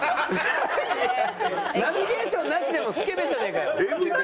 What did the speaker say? ナビゲーションなしでもスケベじゃねえかよ。